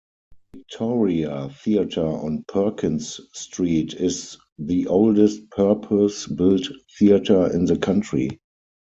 Victoria Theatre on Perkins Street is the oldest purpose-built theatre in the country.